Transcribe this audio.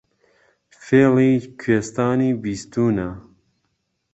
فێڵی کوێستانی بیستوونە